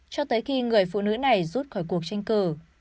cho tới khi người phụ nữ này rút khỏi cuộc tranh cử